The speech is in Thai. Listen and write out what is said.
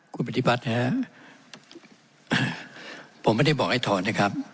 คุณบฏิบัติฮะผมไม่ได้บอกไอ้ถอนนะครับ